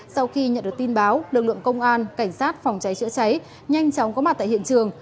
sau khi nhận được tin báo lực lượng công an cảnh sát phòng cháy chữa cháy nhanh chóng có mặt tại hiện trường